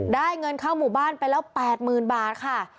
ได้เงินเข้าหมู่บ้านไปแล้ว๘๐๐๐บาทค่ะ